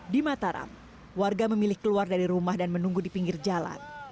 di mataram warga memilih keluar dari rumah dan menunggu di pinggir jalan